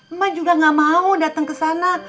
emak juga gak mau dateng ke sana